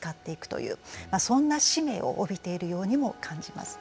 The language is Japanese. そんな使命を帯びているようにも感じます。